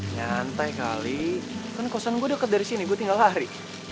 nyantai kali kan kosan gue dekat dari sini gue tinggal lari